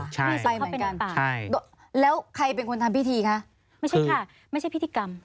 ใช่ใช่แล้วใครเป็นคนทำพิธีคะไม่ใช่ค่ะไม่ใช่พิธีกรรม